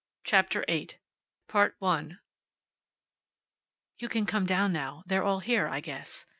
CHAPTER EIGHT "You can come down now. They're all here, I guess.